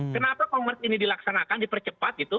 kenapa kongres ini dilaksanakan dipercepat gitu